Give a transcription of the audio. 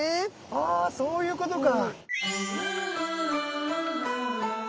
あそういうことか。